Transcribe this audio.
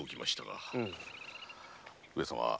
上様。